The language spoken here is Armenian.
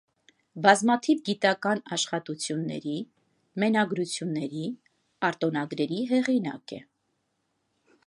Բազմաթիվ գիտական աշխատությունների, մենագրությունների, արտոնագրերի հեղինակ է։